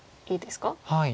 はい。